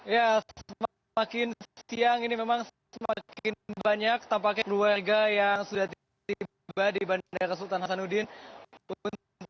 ya semakin siang ini memang semakin banyak tampaknya keluarga yang sudah tiba di bandara sultan hasanuddin